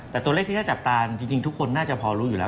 แต่ตัวเลขที่น่าจับตาจริงทุกคนน่าจะพอรู้อยู่แล้ว